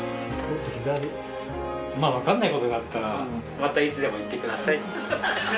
まぁ分かんない事があったらまたいつでも言ってください。